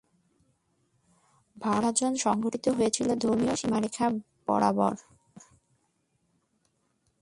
ভারত বিভাজন সংগঠিত হয়েছিল ধর্মীয় সীমারেখা বরাবর।